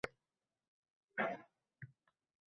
Hech qanday manfaat kutmaydi.